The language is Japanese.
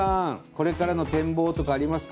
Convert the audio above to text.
これからの展望とかありますか？